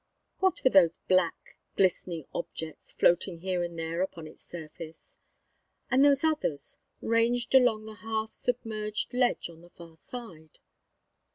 What were those black, glistening objects floating here and there upon its surface? And those others, ranged along the half submerged ledge on the far side?